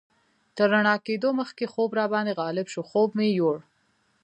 تر رڼا کېدو مخکې خوب راباندې غالب شو، خوب مې یوړ.